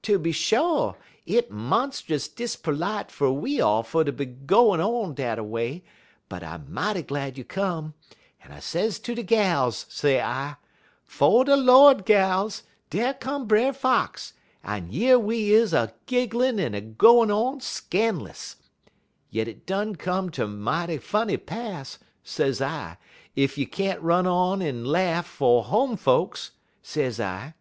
Tooby sho', hit monst'us disperlite fer we all fer to be gwine on dat a way; but I mighty glad you come, en I sez ter de gals, s'I, "'Fo' de Lord, gals! dar come Brer Fox, en yer we is a gigglin' en a gwine on scan'lous; yit hit done come ter mighty funny pass," s'I, "ef you can't run on en laugh 'fo' home folks," s'I.